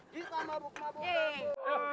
kita mabuk mabuk